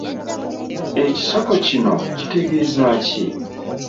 Ekisoko kino kitegeeza ki?